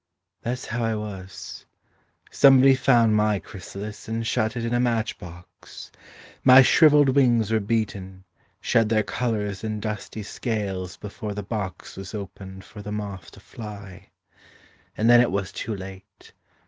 That's how I was. Somebody found my chrysalis And shut it in a match box. My shrivelled wings were beaten, Shed their colours in dusty scales Before the box was opened For the moth to fly.